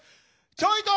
ちょいと！